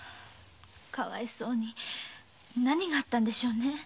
かわいそうに何があったんでしょうね？